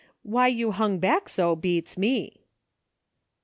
Why you hung back so, beats me."